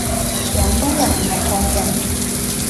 廣東人唔係漢人？